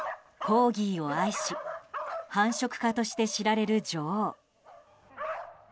コーギーを愛し繁殖家として知られる女王。